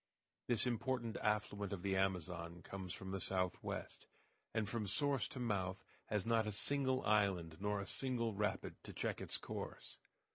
This important affluent of the Amazon comes from the southwest, and from source to mouth has not a single island, nor a single rapid, to check its course.